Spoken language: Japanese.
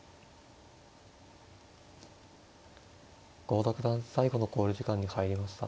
郷田九段最後の考慮時間に入りました。